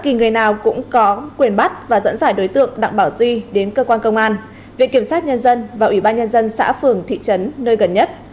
kỳ người nào cũng có quyền bắt và dẫn dải đối tượng đặng bảo duy đến cơ quan công an viện kiểm sát nhân dân và ủy ban nhân dân xã phường thị trấn nơi gần nhất